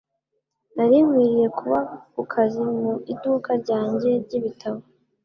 Nari nkwiriye kuba ku kazi mu iduka ryanjye ry'ibitabo